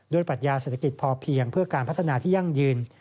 ปัญญาเศรษฐกิจพอเพียงเพื่อการพัฒนาที่ยั่งยืน